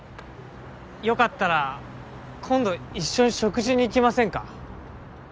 よかったら今度一緒に食事に行きませんか？